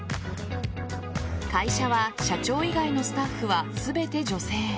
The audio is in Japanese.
会社は、社長以外のスタッフは全て女性。